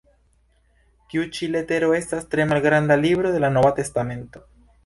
Tiu ĉi letero estas tre malgranda "libro" de la Nova testamento.